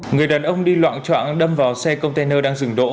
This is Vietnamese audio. người đàn ông đi loạn trạng đâm vào xe container đang dừng đỗ